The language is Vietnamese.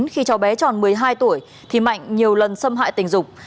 khi cháu bé tròn một mươi hai tuổi thì mạnh nhiều lần xâm hại tình dục